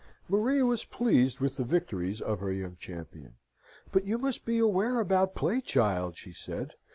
Maria was pleased with the victories of her young champion. "But you must beware about play, child," she said.